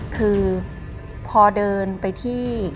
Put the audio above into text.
คือพอเดินไปที่